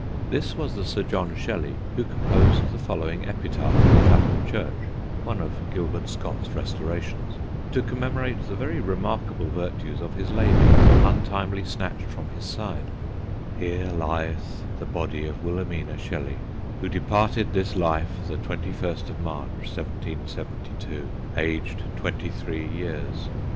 This was the Sir John Shelley who composed the following epitaph in Clapham church (one of Sir Gilbert Scott's restorations) to commemorate the very remarkable virtues of his lady untimely snatched from his side: Here Lyeth the Body of Wilhelmina Shelley who departed this Life the 21st of March 1772 Aged Twenty three years.